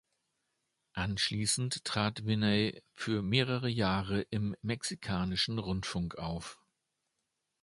Anschließend trat Vinay für mehrere Jahre im mexikanischen Rundfunk auf.